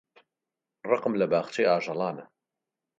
ڕقم لە باخچەی ئاژەڵانە.